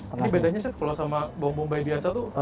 ini bedanya chef kalau sama bawang bombay biasa tuh